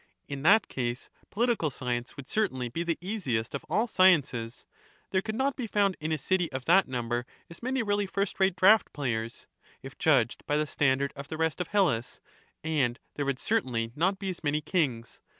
In that case political science would certainly be the easiest of all sciences ; there could not be found in a city of that number as many really first rate draught players, if judged by the standard of the rest of Hellas, and there would certainly not be as many kings.